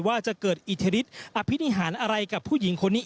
ว่าจะเกิดอิทธิฤทธิอภินิหารอะไรกับผู้หญิงคนนี้